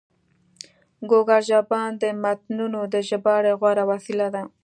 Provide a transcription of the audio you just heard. ګوګل ژباړن د متنونو د ژباړې غوره وسیله ده.